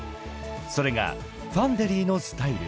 ［それがファンデリーのスタイル］